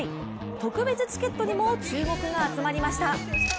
特別チケットにも注目が集まりました。